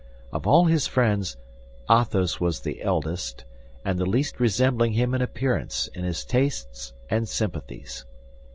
Of all his friends, Athos was the eldest, and the least resembling him in appearance, in his tastes and sympathies.